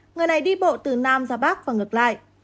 người này đi bộ từ nam ra bắc và ngược lại